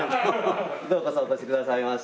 ようこそお越しくださいました。